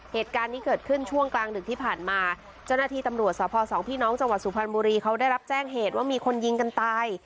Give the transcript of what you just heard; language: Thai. เหตุการณ์นี้เกิดขึ้นช่วงกลางดึกที่ผ่านมาเจ้าหน้าที่ตำรวจสภสองพี่น้องจังหวัดสุพรรณบุรีเขาได้รับแจ้งเหตุว่ามีคนยิงกันตาย